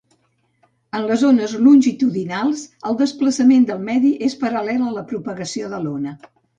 En les ones longitudinals, el desplaçament del medi és paral·lel a la propagació de l’ona.